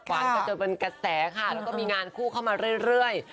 ฟันเป็นกระแสมีงานเข้ามาเรื่อย